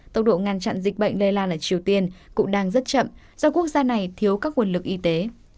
tốc độ ngăn chặn dịch bệnh lây lan ở triều tiên cũng đang rất chậm do quốc gia này thiếu các nguồn lực y tế